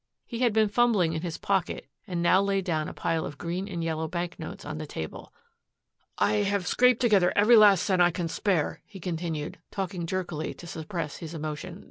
He had been fumbling in his pocket and now laid down a pile of green and yellow banknotes on the table. "I have scraped together every last cent I can spare," he continued, talking jerkily to suppress his emotion.